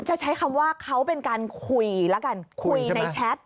จะใช้คำว่าเขาเป็นการคุยแล้วกันคุยในแชท